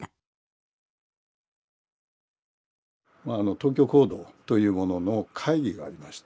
東京行動というものの会議がありまして。